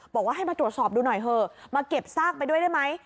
บอกว่าให้มาตรวจสอบดูหน่อยเถอะมาเก็บซากไปด้วยได้ไหม